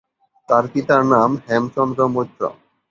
তার পিতার নাম হেমচন্দ্র মৈত্র।